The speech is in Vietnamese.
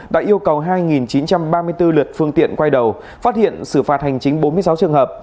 đã yêu cầu hai chín trăm ba mươi bốn lượt phương tiện quay đầu phát hiện xử phạt hành chính bốn mươi sáu trường hợp